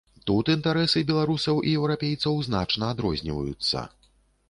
Тут інтарэсы беларусаў і еўрапейцаў значна адрозніваюцца.